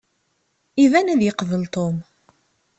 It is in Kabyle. Iban ad yeqbel Tom.